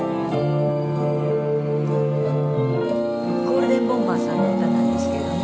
ゴールデンボンバーさんの歌なんですけれども。